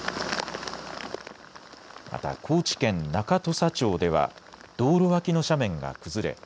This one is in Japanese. また高知県中土佐町では道路脇の斜面が崩れ